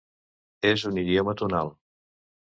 És un idioma tonal.